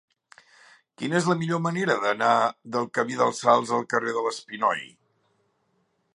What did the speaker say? Quina és la millor manera d'anar del camí del Salze al carrer de l'Espinoi?